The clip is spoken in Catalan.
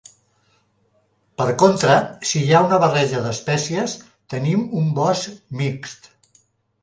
Per contra, si hi ha una barreja d'espècies, tenim un bosc mixt.